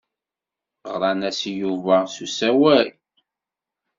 Ɣran-as i Yuba s usawal.